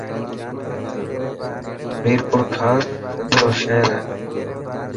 ميپرخاص سنڌ رو شهر هي.